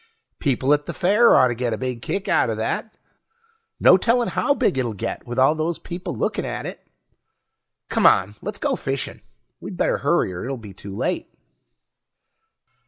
People at the fair oughtta get a big kick outta that. No telling how big it'll get with all those people looking at it. But come on, let's go fishing. We'd better hurry or it'll be too late.